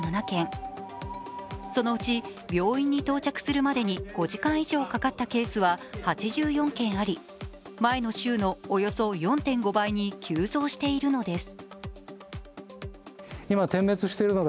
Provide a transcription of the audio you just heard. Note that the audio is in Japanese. そのうち、病院に到着するまでに５時間以上かかったケースは８４件あり前の週のおよそ４．５倍に急増しているのです。